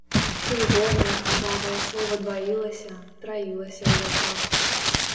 Чырвонае крывавае слова дваілася, траілася ў вачах.